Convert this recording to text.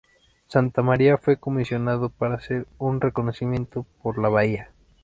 Santa María fue comisionado para hacer un reconocimiento por la bahía.